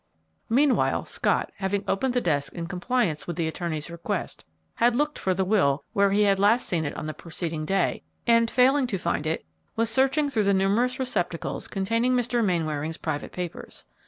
Meanwhile, Scott, having opened the desk in compliance with the attorney's request, had looked for the will where he had last seen it on the preceding day, and, failing to find it, was searching through the numerous receptacles containing Mr. Mainwaring's private papers.